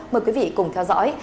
mời quý vị cùng theo dõi